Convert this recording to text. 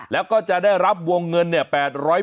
แล้วก็จะได้รับวงเงินเนี่ย๘๐๐บาท